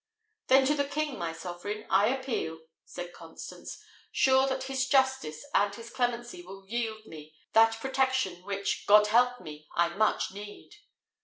"Then to the king, my sovereign, I appeal," said Constance, "sure that his justice and his clemency will yield me that protection which, God help me! I much need."